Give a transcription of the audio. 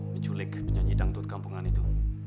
menculik penyanyi dangdut kampungan itu